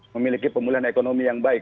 memiliki pemulihan ekonomi yang baik